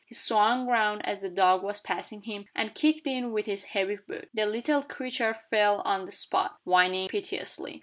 He swung round as the dog was passing him, and kicked it with his heavy boot. The little creature fell on the spot, whining piteously.